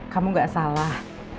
kamu gak salah